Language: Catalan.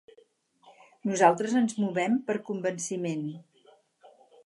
Nosaltres ens movem per convenciment.